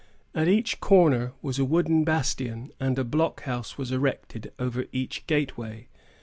At each corner was a wooden bastion, and a blockhouse was erected over each gateway.